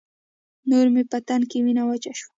نور مې په تن کې وينه وچه شوه.